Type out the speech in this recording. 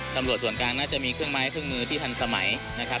ตำรวจส่วนกลางน่าจะมีเครื่องไม้เครื่องมือที่ทันสมัยนะครับ